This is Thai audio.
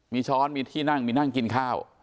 มีช้อนมีที่นั่งมีนั่งกินข้าว